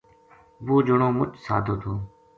وہ جنو مچ سادو تھو